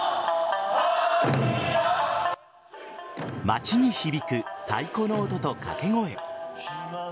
街に響く太鼓の音と掛け声。